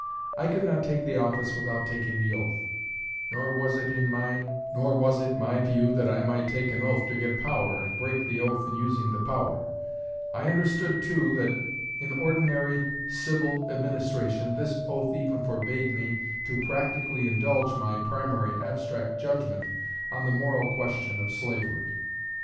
I could not take the office without taking the oath. Nor was it my view that I might take an oath to get power, and break the oath in using the power. I understood, too, that in ordinary civil administration this oath even forbade me to practically indulge my primary abstract judgment on the moral question of slavery.